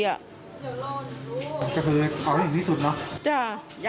อยากให้เขาประหารชีวิตเขาเลย